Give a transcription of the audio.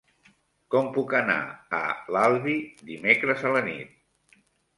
Com puc anar a l'Albi dimecres a la nit?